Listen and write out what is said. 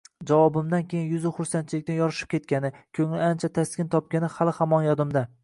Javobimdan keyin yuzi xursandchilikdan yorishib ketgani, ko‘ngli ancha taskin topgani hali-hamon yodimda.